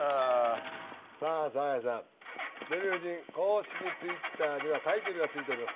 さあサーヤさんデヴィ夫人公式Ｔｗｉｔｔｅｒにはタイトルがついております